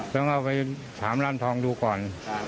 ต้องเอาไปถามร้านทองดูก่อน